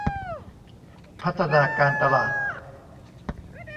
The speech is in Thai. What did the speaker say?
พัฒนาการตลาด